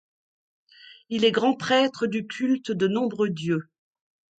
Il est grand-prêtre du culte de nombreux dieux.